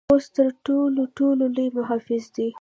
پوست تر ټر ټولو لوی محافظ دی.